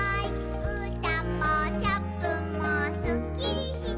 「うーたんもチャップンもスッキリして」